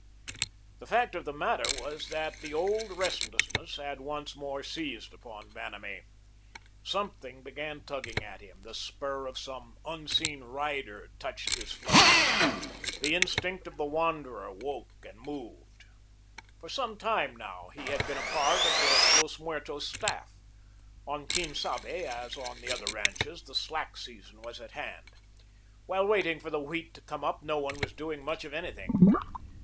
The fact of the matter was that the old restlessness had once more seized upon Vanamee. Something began tugging at him; the spur of some unseen rider touched his flank. The instinct of the wanderer woke and moved. For some time now he had been a part of the Los Muertos staff. On Quien Sabe, as on the other ranches, the slack season was at hand. While waiting for the wheat to come up no one was doing much of anything.